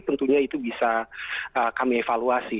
tentunya itu bisa kami evaluasi